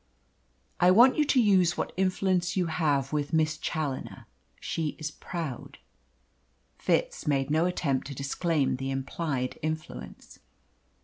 "I want you to use what influence you have with Miss Challoner. She is proud." Fitz made no attempt to disclaim the implied influence.